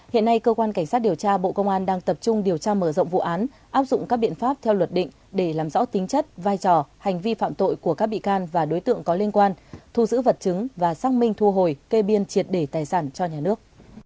hiện nay cơ quan cảnh sát điều tra bộ công an đang tập trung điều tra mở rộng vụ án áp dụng các biện pháp theo luật định để làm rõ tính chất vai trò hành vi phạm tội của các bị can và đối tượng có liên quan thu giữ vật chứng và xác minh thu hồi kê biên triệt để tài sản cho nhà nước